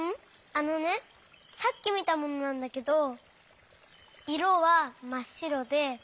あのねさっきみたものなんだけどいろはまっしろで。